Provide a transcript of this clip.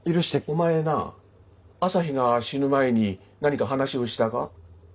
お前な朝陽が死ぬ前に何か話をしたか？